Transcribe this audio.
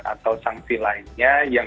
atau sanksi lainnya yang